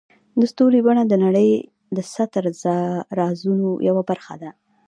د ستوري بڼه د نړۍ د ستر رازونو یوه برخه ده.